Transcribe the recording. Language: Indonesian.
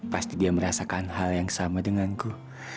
pasti dia merasakan hal yang sama denganku